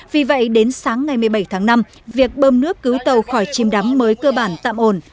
vì vậy đến sáng ngày một mươi bảy tháng năm việc bơm nước cứu tàu khỏi chìm đắm mới cơ bản tạm ổn